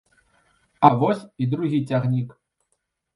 А вось і другі цягнік.